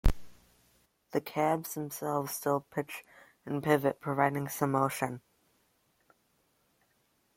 The cabs themselves still pitch and pivot, providing some motion.